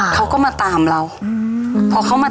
เขาก็มาตามเราพอเขามา